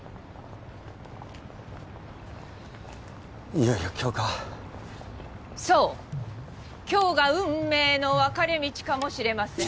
いよいよ今日かそう今日が運命の分かれ道かもしれません